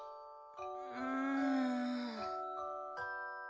うん。